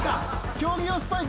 競技用スパイク